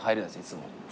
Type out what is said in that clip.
いつも。